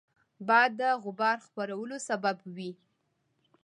باد د غبار خپرولو سبب وي